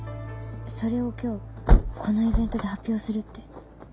それを今日このイベントで発表するって。